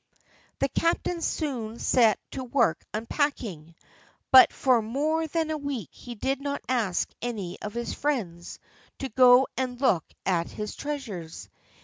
The captain soon set to work unpacking, but for more than a week he did not ask any of his friends to go and look at his treasures.